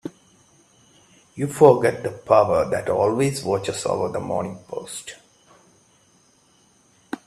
You forget the power that always watches over the Morning Post.